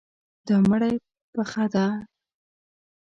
دا مړی پخه دی.